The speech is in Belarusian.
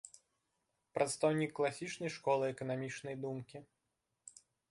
Прадстаўнік класічнай школы эканамічнай думкі.